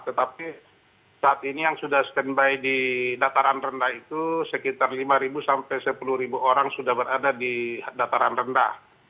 tetapi saat ini yang sudah standby di dataran rendah itu sekitar lima sampai sepuluh orang sudah berada di dataran rendah